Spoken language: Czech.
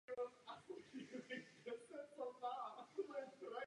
Peníze byly vybrány od občanů ve veřejné sbírce Turnov sobě.